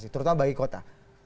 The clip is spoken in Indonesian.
terutama bagi kota